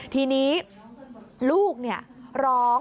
ทีนี้ลูกเนี่ยร้อง